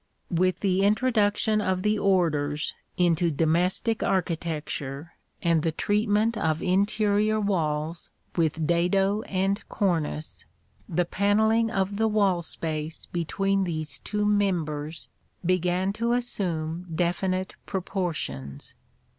With the introduction of the orders into domestic architecture and the treatment of interior walls with dado and cornice, the panelling of the wall space between those two members began to assume definite proportions.